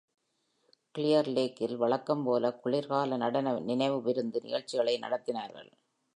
Clear லேக்கில் வழக்கம் போல குளிர்கால நடன நினைவு விருந்து நிகழ்ச்சிகளை நடத்தினர்கள்.